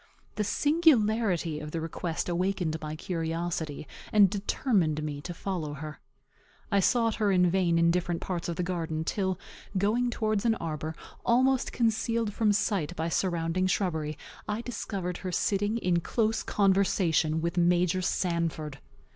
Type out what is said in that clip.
The singularity of the request awakened my curiosity, and determined me to follow her. I sought her in vain in different parts of the garden, till, going towards an arbor, almost concealed from sight by surrounding shrubbery, I discovered her sitting in close conversation with Major Sanford!